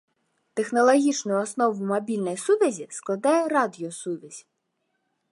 Тэхналагічную аснову мабільнай сувязі складае радыёсувязь.